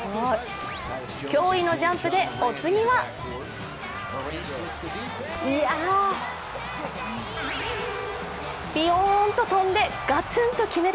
驚異のジャンプでお次はいや、びよんと跳んでガツンと決める。